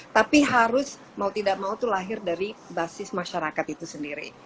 tapi harus mau tidak mau itu lahir dari basis masyarakat itu sendiri